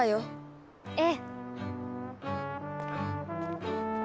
ええ。